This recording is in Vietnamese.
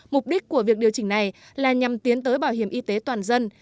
mục đích của việc điều chỉnh này là nhằm tiến tới bảo hiểm y tế toàn dân